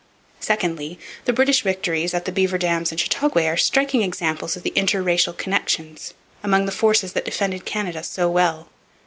Secondly, the British victories at the Beaver Dams and Chateauguay are striking examples of the inter racial connection among the forces that defended Canada so well.